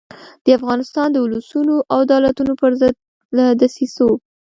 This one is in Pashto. د افغانستان د اولسونو او دولتونو پر ضد له دسیسو.